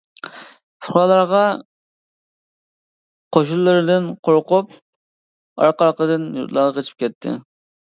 پۇقرالارغا قوشۇنلىرىدىن قورقۇپ ئارقا-ئارقىدىن يۇرتلارغا قېچىپ كەتتى.